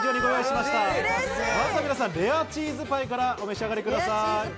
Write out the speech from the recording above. まずは、レアチーズパイからお召し上がりください。